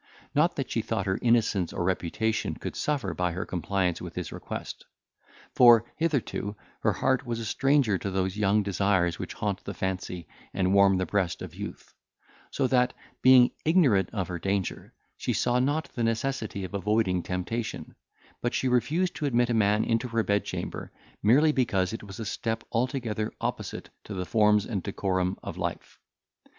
Not that she thought her innocence or reputation could suffer by her compliance with his request; for, hitherto, her heart was a stranger to those young desires which haunt the fancy, and warm the breast of youth; so that, being ignorant of her danger, she saw not the necessity of avoiding temptation; but she refused to admit a man into her bedchamber, merely because it was a step altogether opposite to the forms and decorum of life.